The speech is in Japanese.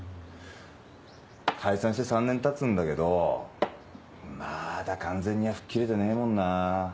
解散して３年たつんだけどまだ完全には吹っ切れてねえもんな。